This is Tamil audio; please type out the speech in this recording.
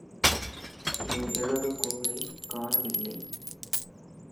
என் எழுதுகோலைக் காணவில்லை.